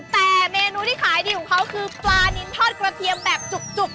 แต่เมนูที่ขายดีของเขาคือปลานินทอดกระเทียมแบบจุก